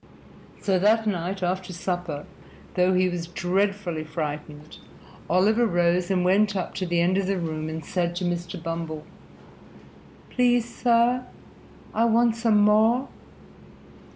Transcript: So that night after supper, though he was dreadfully frightened, Oliver rose and went up to the end of the room and said to Mr. Bumble, "Please, sir, I want some more."